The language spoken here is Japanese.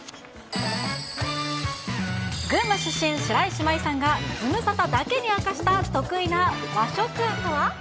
群馬出身、白石麻衣さんが、ズムサタだけに明かした得意な和食とは。